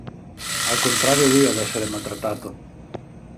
Al contrario è lui ad essere maltrattato.